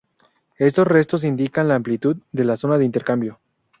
Estos restos indican la amplitud de la zona de intercambio.